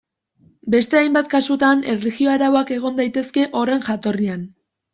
Beste hainbat kasutan erlijio arauak egon daitezke horren jatorrian.